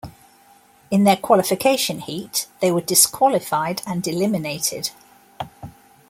In their qualification heat they were disqualified and eliminated.